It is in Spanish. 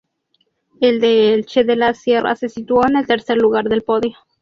El de Elche de la Sierra se situó en el tercer lugar del podio.